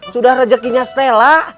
sudah rejekinya stella